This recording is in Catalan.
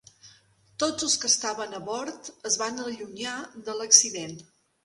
Tots els que estaven a bord es van allunyar de l'accident.